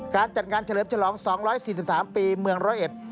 การจัดงานเฉลิมฉลอง๒๔๓ปีเมืองร้อยเอ็ด